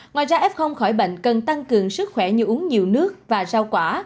ngoài ra f khỏi bệnh cần tăng cường sức khỏe như uống nhiều nước và rau quả